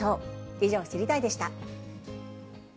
以上、知りたいッ！でした。